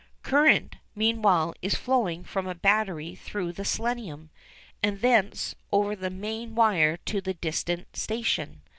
Current, meanwhile, is flowing from a battery through the selenium, and thence over the main wire to the distant station.